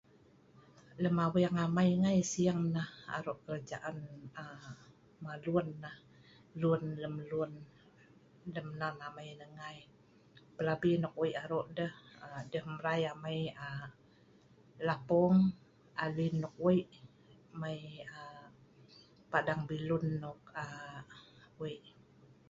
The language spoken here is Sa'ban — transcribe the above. Lem aweng amai ngai sing nah aro' kelajaan aaa malun nah lun lemlun lem nan amai nah ngai pelabi nok wei' aro' deh aa deh mrai amai aa lapong, alin nok wei' mai aa pandang bilun nok aa wei'.